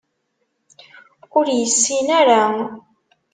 Ur yessin ara.